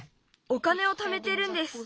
お金をためてるんです。